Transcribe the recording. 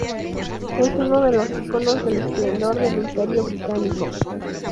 Es uno de los iconos del esplendor del Imperio británico.